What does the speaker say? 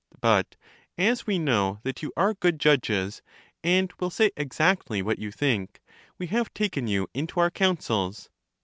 But as we know that you are good judges, and will say exactly what you think, we have taken you into our counsels.